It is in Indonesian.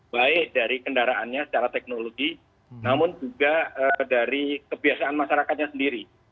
baik dari kendaraannya secara teknologi namun juga dari kebiasaan masyarakatnya sendiri